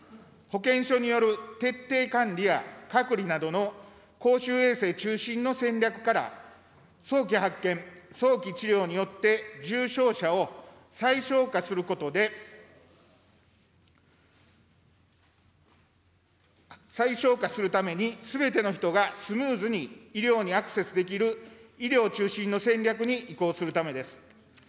保健所による徹底管理や隔離などの公衆衛生中心の戦略から、早期発見・早期治療によって重症者を最小化することで、最小化するために、すべての人がスムーズに医療にアクセスできる医療中心の戦略に移行するためです。